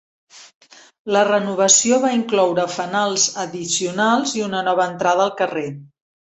La renovació va incloure fanals addicionals i una nova entrada al carrer.